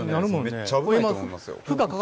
めっちゃ危ないと思いますよ。